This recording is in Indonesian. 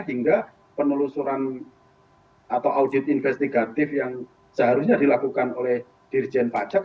hingga penelusuran atau audit investigatif yang seharusnya dilakukan oleh dirjen pajak